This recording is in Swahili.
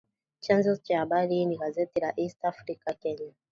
Chanzo cha habari hii ni gazeti la The East African, Kenya